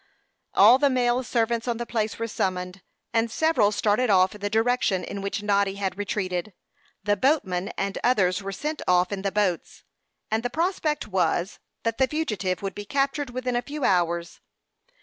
All the male servants on the place were summoned, and several started off in the direction in which Noddy had retreated. The boatman and others were sent off in the boats; and the prospect was, that the fugitive would be captured within a few hours.